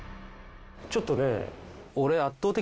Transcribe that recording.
ちょっとね。